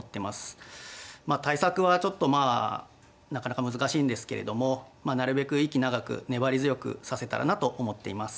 対策はちょっとなかなか難しいんですけれどもなるべく息長く粘り強く指せたらなと思っています。